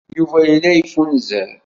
Yuba yella yeffunzer.